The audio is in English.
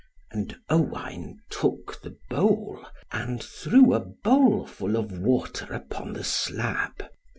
And Owain took the bowl, and threw a bowlful of water upon the slab.